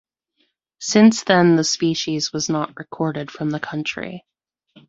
Since then the species was not recorded from the country.